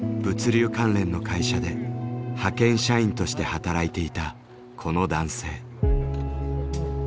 物流関連の会社で派遣社員として働いていたこの男性。